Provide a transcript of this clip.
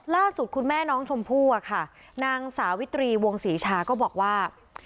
ล่าสุดคุณแม่น้องชมพู่อะค่ะนางสาวิตรีวงศรีชาก็บอกว่า